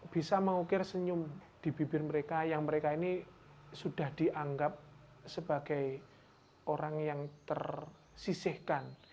bisa mengukir senyum di bibir mereka yang mereka ini sudah dianggap sebagai orang yang tersisihkan